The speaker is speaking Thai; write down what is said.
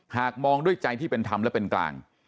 หากมองด้วยใจที่เป็นธรรมและเป็นกลาง